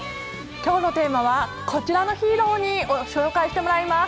きょうのテーマはこちらのヒーローに紹介してもらいます。